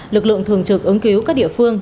lực lượng thường trực ứng cứu các địa phương